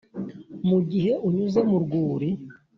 mugihe unyuze mu rwuri,